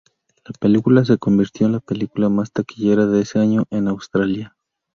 La película se convirtió en la película más taquillera de ese año en Australia.